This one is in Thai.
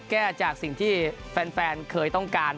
แก้จากสิ่งที่แฟนเคยต้องการ